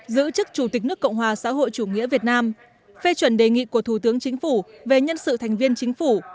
giữ chức chủ tịch nước cộng hòa xã hội chủ nghĩa việt nam phê chuẩn đề nghị của thủ tướng chính phủ về nhân sự thành viên chính phủ